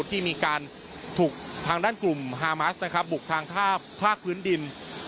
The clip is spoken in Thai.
ที่มีการถูกทางด้านกลุ่มฮามัสบุกทางท่าภาคพื้นดิน